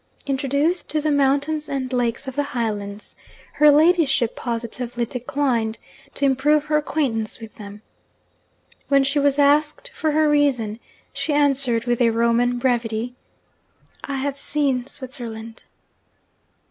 Introduced to the mountains and lakes of the Highlands, her ladyship positively declined to improve her acquaintance with them. When she was asked for her reason, she answered with a Roman brevity, 'I have seen Switzerland.'